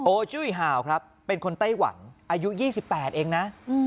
จุ้ยห่าวครับเป็นคนไต้หวันอายุ๒๘เองนะ